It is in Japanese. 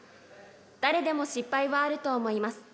誰でも失敗はあると思います。